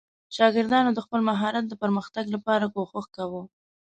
شاګردانو د خپل مهارت د پرمختګ لپاره کوښښ کاوه.